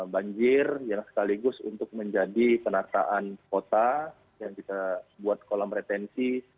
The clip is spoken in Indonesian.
banjir yang sekaligus untuk menjadi penataan kota yang kita buat kolam retensi